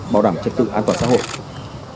bảo đảm trật tự an toàn xã hội